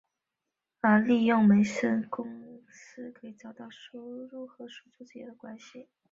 而利用梅森增益公式可以找到输入和输出之间的关系。